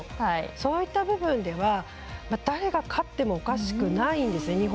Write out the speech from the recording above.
そういった部分では誰が勝ってもおかしくないんですね。